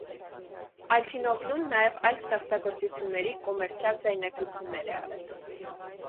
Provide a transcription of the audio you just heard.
Ալթինօղլուն նաև այլ ստեղծագործությունների կոմերցիալ ձայնագրություններ է արել։